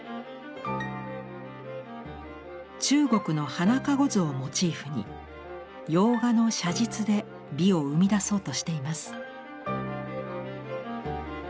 中国の花籠図をモチーフに洋画の写実で美を生み出そうとしています。